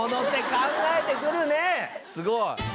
すごい。